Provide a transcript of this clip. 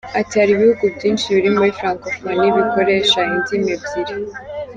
Ati “Hari ibihugu byinshi biri muri Francophonie bikoresha indimi ebyiri.